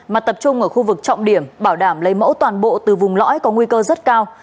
mà tập trung ở khu vực trọng điểm bảo đảm lấy mẫu toàn bộ từ vùng lõi có nguy cơ rất cao